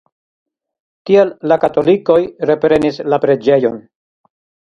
Tial la katolikoj reprenis la preĝejon.